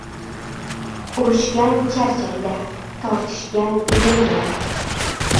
• Urushgan charchaydi, tortishgan yengiladi.